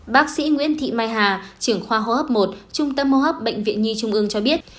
bác sĩ nguyễn thị mai hà trưởng khoa hô hấp một trung tâm hô hấp bệnh viện nhi trung ương cho biết